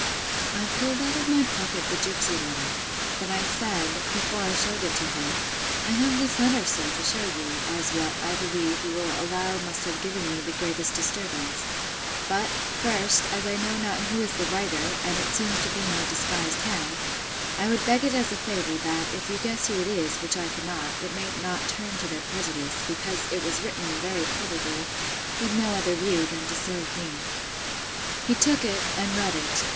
I pulled out of my pocket the gipsy letter; but I said, before I shewed it to him, I have this letter, sir, to shew you, as what, I believe, you will allow must have given me the greatest disturbance: but, first, as I know not who is the writer, and it seems to be in a disguised hand, I would beg it as a favour, that, if you guess who it is, which I cannot, it may not turn to their prejudice, because it was written, very probably, with no other view, than to serve me. He took it, and read it.